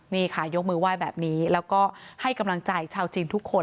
นี่ค่ะยกมือไหว้แบบนี้แล้วก็ให้กำลังใจชาวจีนทุกคน